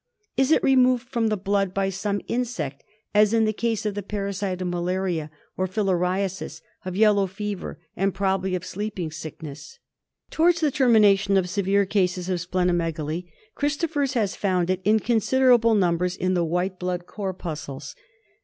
Is it removed from the blood by some insect as in the case of the parasite of malaria, of filariasis, of yellow fever, and probably of Sleeping Sickness ? Towards the termination of severe cases of spleno megaly, Christophers has found it in considerable numbers in the white blood corpuscles.